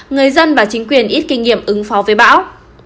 người dân và chính quyền ít kinh nghiệm ứng phó với bão